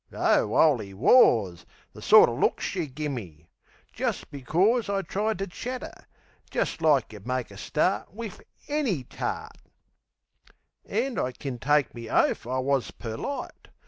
Oh, 'oly wars! The sorter look she gimme! Jest becors I tried to chat 'er, like you'd make a start Wiv ANY tart. An' I kin take me oaf I wus perlite.